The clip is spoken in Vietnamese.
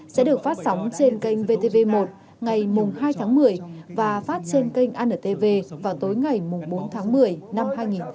sẽ được phát sóng trên kênh vtv một ngày hai tháng một mươi và phát trên kênh antv vào tối ngày bốn tháng một mươi năm hai nghìn hai mươi